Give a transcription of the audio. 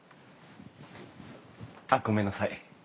あっごめんなさい。